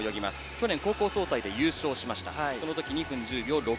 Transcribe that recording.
去年、高校総体で優勝しました。